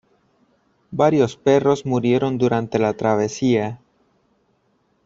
Varios perros murieron durante la travesía.